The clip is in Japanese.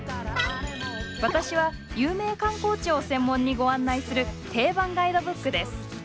私は有名観光地を専門にご案内する定番ガイドブックです。